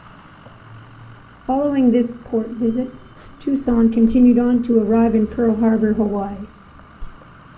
Following this port visit, "Tucson" continued on to arrive in Pearl Harbor, Hawaii.